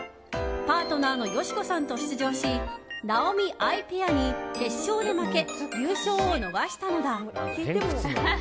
パートナーのヨシコさんと出場しナオミ、アイペアに決勝で負け優勝を逃したのだ。